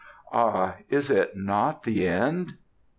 "Ah, is it not the end?"